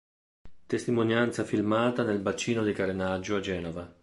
Testimonianza filmata nel bacino di carenaggio a Genova.